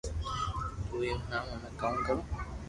تو ھي ھوڻاو ھمي ھون ڪاوُ ڪرو